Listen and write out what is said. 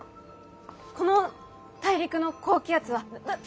この大陸の高気圧はだ。